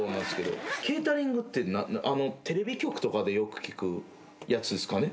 ケータリングってテレビ局とかでよく聞くやつですかね？